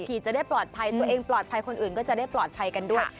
จะได้ปลอดภัยตัวเองปลอดภัยคนอื่นก็จะได้ปลอดภัยกันด้วย